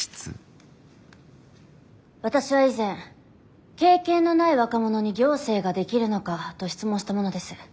私は以前「経験のない若者に行政ができるのか」と質問した者です。